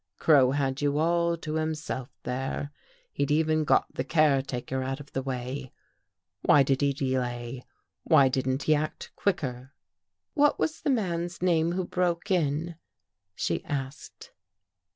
Crow had you all to him 303 THE GHOST GIRL self there? He'd even got the caretaker out of the way. Why did he delay? Why didn't he act quicker? "" What was the man's name who broke in? " she asked.